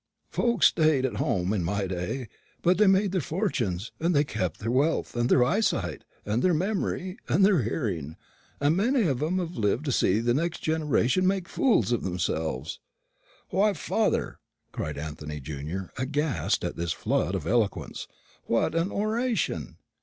Folks stayed at home in my day; but they made their fortunes, and they kept their health, and their eyesight, and their memory, and their hearing, and many of 'em have lived to see the next generation make fools of themselves." "Why, father," cried Anthony junior, aghast at this flood of eloquence, "what an oration!"